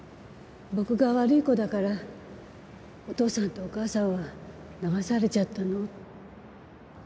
「僕が悪い子だからお父さんとお母さんは流されちゃったの？」。